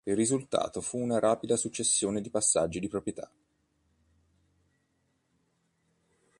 Il risultato fu una rapida successione di passaggi di proprietà.